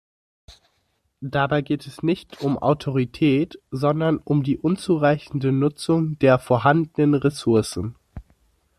Dabei geht es nicht um Autorität, sondern um die unzureichende Nutzung der vorhandenen Ressourcen.